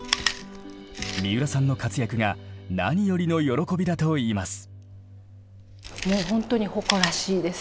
三浦さんの活躍が何よりの喜びだといいます。